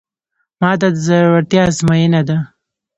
ماته د زړورتیا ازموینه ده.